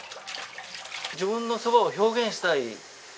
自分の蕎麦を表現したい。